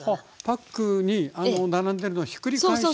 パックに並んでるのをひっくり返しながら。